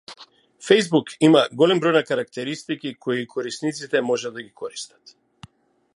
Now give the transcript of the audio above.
Фејсбук има голем број на карактеристики кои корисниците можат да ги користат.